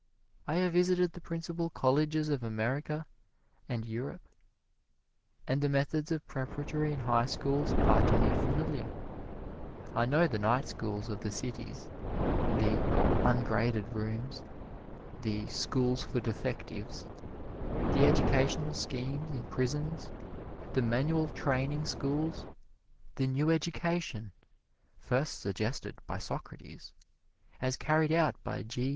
I have visited the principal colleges of America and Europe, and the methods of Preparatory and High Schools are to me familiar. I know the night schools of the cities, the "Ungraded Rooms," the Schools for Defectives, the educational schemes in prisons, the Manual Training Schools, the New Education (first suggested by Socrates) as carried out by G.